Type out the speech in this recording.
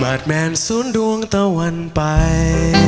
มาจแมนสุนดวงตะวันปาย